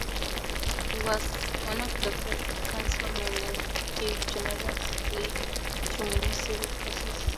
He was one of the first "councilmen" and gave generously to many civic causes.